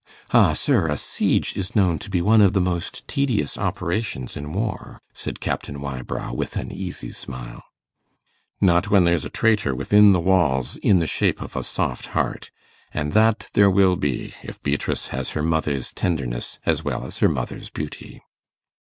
'Ah, sir, a siege is known to be one of the most tedious operations in war,' said Captain Wybrow, with an easy smile. 'Not when there's a traitor within the walls in the shape of a soft heart. And that there will be, if Beatrice has her mother's tenderness as well as her mother's beauty.